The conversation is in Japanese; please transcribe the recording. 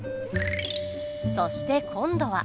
そして今度は。